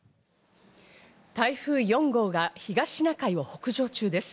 台風４号が東シナ海を北上中です。